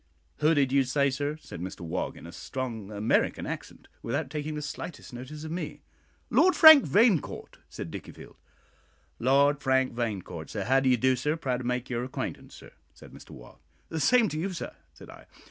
"Who did you say, sir?" said Mr Wog, in a strong American accent, without taking the slightest notice of me. "Lord Frank Vanecourt," said Dickiefield. "Lord Frank Vanecourt, sir, how do you do, sir? proud to make your acquaintance, sir," said Mr Wog. "The same to you, sir," said I.